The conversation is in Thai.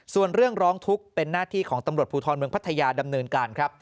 ส่วนเรื่องร้องทุกข์เป็นหน้าที่ของตำรวจภูทรเมืองพัทยาดำเนินการครับ